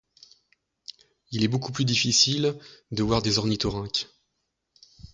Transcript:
Il est beaucoup plus difficile de voir des ornithorynques.